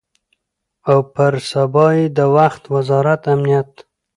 او پر سبا یې د وخت وزارت امنیت